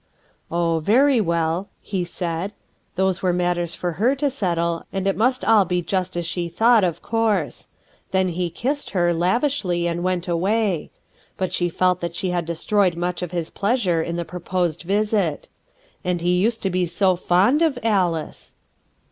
"Oh, very well," he said. Those were matters for her to settle, and it must all be just as she thought, of course. Then he kissed her lavishly, and went away; but she felt that she had destroyed much of his pleasure in the proposed visit. And he used to be so fond of Alice!